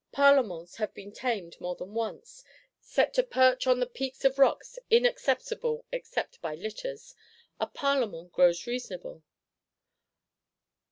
Parlements have been tamed, more than once. Set to perch "on the peaks of rocks in accessible except by litters," a Parlement grows reasonable.